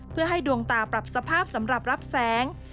เพื่อให้ดวงตาปรับสภาพสำหรับรับแสง